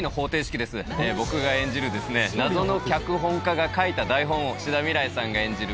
僕が演じる謎の脚本家が書いた台本を志田未来さんが演じる